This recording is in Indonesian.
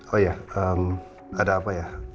oh iya ada apa ya